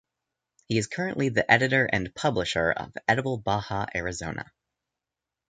He is currently the editor and publisher of "Edible Baja Arizona".